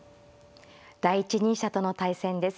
第一人者との対戦です。